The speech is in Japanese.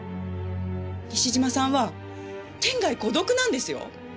西島さんは天涯孤独なんですよ。